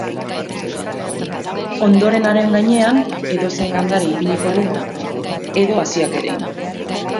Ondoren haren gainean edozein landare ipiniko dugu edo haziak erein.